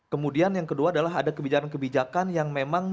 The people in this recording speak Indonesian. kemudian yang kedua adalah ada kebijakan kebijakan yang memang justru tidak sedikit